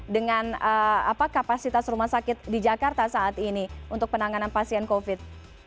dengan kapasitas rumah sakit di jakarta saat ini untuk penanganan pasien covid